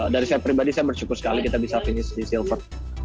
dari saya pribadi saya bersyukur sekali kita bisa finish di silver